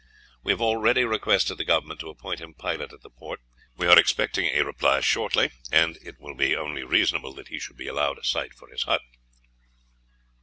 We have already requested the Government to appoint him pilot at the port; we are expecting a reply shortly, and it will be only reasonable that he should be allowed a site for his hut."